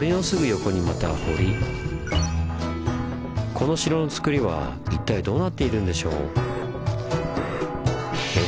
この城のつくりは一体どうなっているんでしょう？